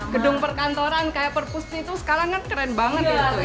gedung perkantoran kayak perpusti itu sekarang kan keren banget itu ya